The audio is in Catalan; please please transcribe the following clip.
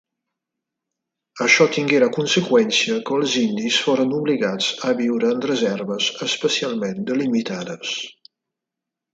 Això tingué la conseqüència que els indis foren obligats a viure en reserves especialment delimitades.